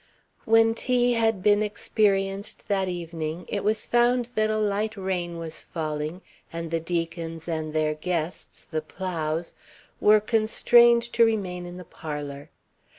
When "tea" had been experienced that evening, it was found that a light rain was falling and the Deacons and their guests, the Plows, were constrained to remain in the parlour.